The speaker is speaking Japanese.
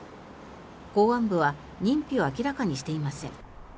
公安部は認否を明らかにしていません。